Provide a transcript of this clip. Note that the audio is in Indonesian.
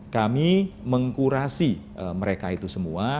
kami mengkurasi mereka itu semua